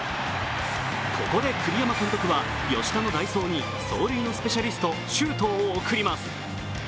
ここで栗山監督は、吉田の代走に走塁のスペシャリスト・周東を送ります。